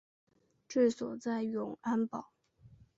治所在永安堡。